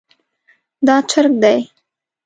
دا چرګ دی